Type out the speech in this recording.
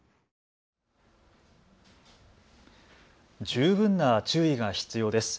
十分な注意が必要です。